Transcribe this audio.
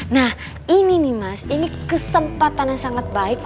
nah ini nih mas ini kesempatan yang sangat baik